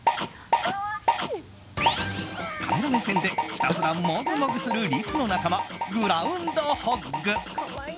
カメラ目線でひたすらもぐもぐするリスの仲間、グラウンドホッグ。